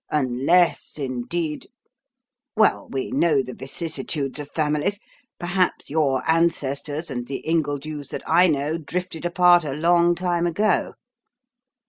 Unless, indeed well, we know the vicissitudes of families perhaps your ancestors and the Ingledews that I know drifted apart a long time ago."